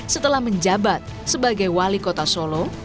setelah menjabat sebagai wali kota solo